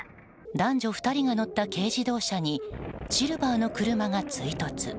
男女２人が乗った軽自動車にシルバーの車が追突。